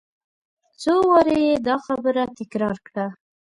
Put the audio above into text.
څو وارې یې دا خبره تکرار کړه.